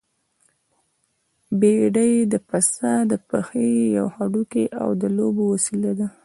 بېډۍ د پسه د پښې يو هډوکی او د لوبو وسيله ده.